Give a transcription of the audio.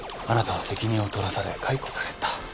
あなたは責任を取らされ解雇された。